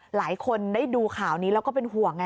หลายคนได้ดูข่าวนี้แล้วก็เป็นห่วงไง